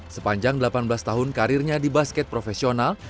sepanjang delapan belas tahun karirnya di basket profesional